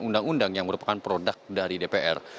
undang undang yang merupakan produk dari dpr